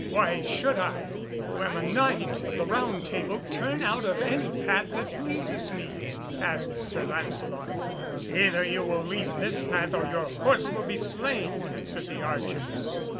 "Why should I, who am a Knight of the Round Table, turn out of any path that pleases me?" asked Sir Lancelot. [Illustration: THE ARCHERS THREATEN LANCELOT] "Either you will leave this path or your horse will be slain," answered the archers.